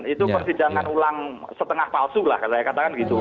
itu persidangan ulang setengah palsu lah saya katakan gitu